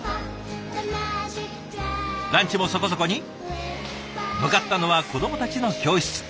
ランチもそこそこに向かったのは子どもたちの教室。